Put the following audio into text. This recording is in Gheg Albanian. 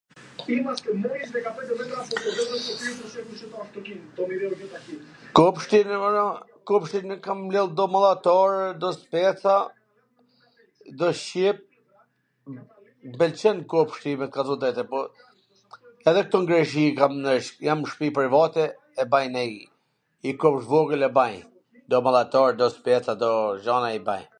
Kopshtin e mbolla, kopshtin e kam mbjell domata mallator, speca, do qep, m pwlqen kopshti me kallzu t drejtwn, por edhe ktu n Greqi kam ndreq, jam n shpi private e baj nji kopsht t vogwl e baj, do mallator, do speca i baj.